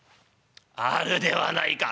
「あるではないか。